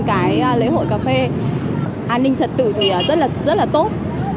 cái lễ hội cà phê an ninh trật tự thì rất là tốt